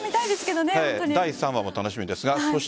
第３話も楽しみですが。